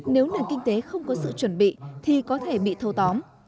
nếu nền kinh tế không có sự chuẩn bị thì có thể bị thâu tóm